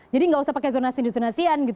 jadi nggak usah pakai zona zona sian